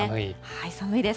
寒いです。